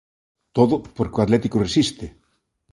Todo porque o Atlético resiste.